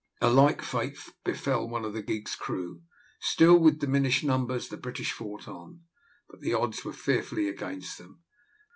A like fate befell one of the gig's crew. Still, with diminished numbers, the British fought on, but the odds were fearfully against them.